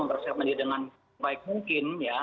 mempersiapkan diri dengan baik mungkin ya